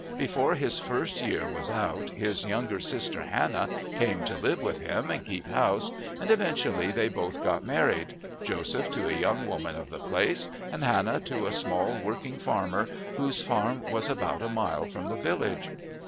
Before his first year was out, his younger sister, Hannah, came to live with him and keep house, and eventually they both got married, Joseph to a young woman of the place, and Hannah to a small working farmer whose farm was about a mile from the village.